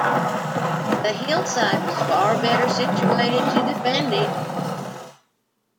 The hillside was far better situated to defend it.